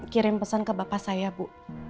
kirim pesan ke bapak saya bu